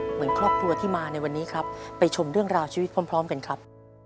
เหมือนครอบครัวที่มาในวันนี้ครับไปชมเรื่องราวชีวิตพร้อมกันครับ